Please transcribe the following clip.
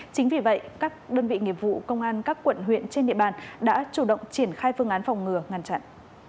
chính vì vậy các đơn vị nghiệp vụ công an các quận huyện trên địa bàn đã chủ động triển khai phương án phòng ngừa ngăn chặn